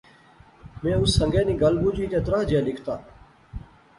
میں اس سنگے نی گل بجی تہ تراہ جیا لکھتا